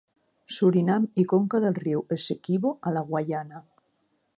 Surinam i conca del riu Essequibo a la Guaiana.